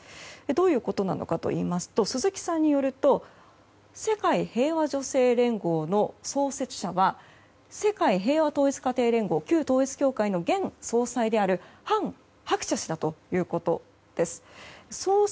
どういうことなのかといいますと鈴木さんによると世界平和女性連合の創設者は世界平和統一家庭連合旧統一教会の現総裁である韓鶴子氏だということです。